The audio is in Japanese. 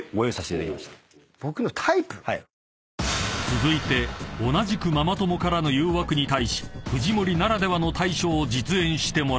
［続いて同じくママ友からの誘惑に対し藤森ならではの対処を実演してもらいます］